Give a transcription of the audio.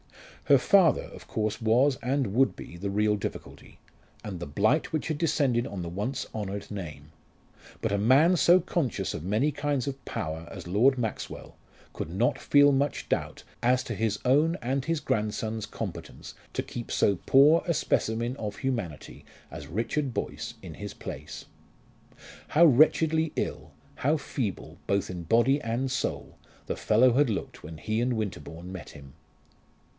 Her father of course was, and would be, the real difficulty, and the blight which had descended on the once honoured name. But a man so conscious of many kinds of power as Lord Maxwell could not feel much doubt as to his own and his grandson's competence to keep so poor a specimen of humanity as Richard Boyce in his place. How wretchedly ill, how feeble, both in body and soul, the fellow had looked when he and Winterbourne met him!